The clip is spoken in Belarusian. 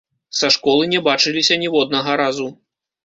Са школы не бачыліся ніводнага разу.